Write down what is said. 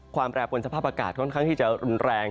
แปรปนสภาพอากาศค่อนข้างที่จะรุนแรง